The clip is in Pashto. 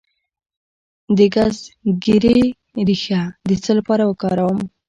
د ګزګیرې ریښه د څه لپاره وکاروم؟